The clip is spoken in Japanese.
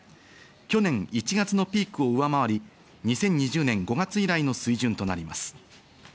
去年１月のピークを上回り、２０２０年５月以来の水準となります。